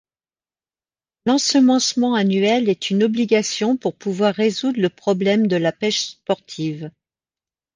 L'ensemencement annuel est une obligation pour pouvoir résoudre le problème de la pêche sportive.